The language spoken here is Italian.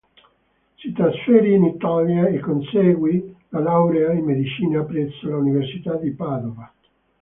Si trasferì in l'Italia e conseguì la laurea in Medicina presso l'Università di Padova.